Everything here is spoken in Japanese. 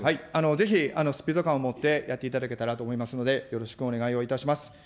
ぜひ、スピード感を持ってやっていただけたらと思いますので、よろしくお願いをいたします。